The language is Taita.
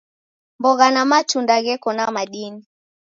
Mbogha na matunda gheko na madini.